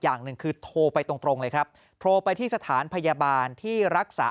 อย่างหนึ่งคือโทรไปตรงตรงเลยครับโทรไปที่สถานพยาบาลที่รักษา